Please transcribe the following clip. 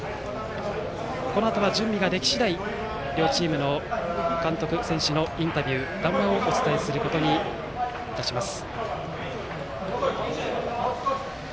このあとは準備ができ次第両チームの監督、選手のインタビューと談話をお伝えすることにいたします。